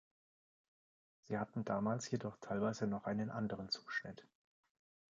Sie hatten damals jedoch teilweise noch einen anderen Zuschnitt.